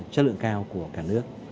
chất lượng cao của cả nước